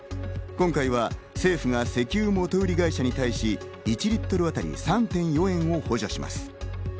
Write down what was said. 今回は政府が石油元売り会社に対し１リットルあたり３．４円を補助します。